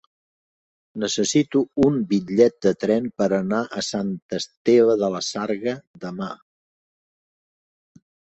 Necessito un bitllet de tren per anar a Sant Esteve de la Sarga demà.